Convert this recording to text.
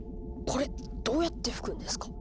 これどうやって吹くんですか？